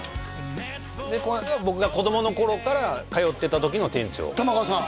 僕が子供の頃から通ってた時の店長玉川さん？